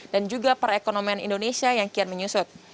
dan juga perekonomian indonesia yang kian menyusut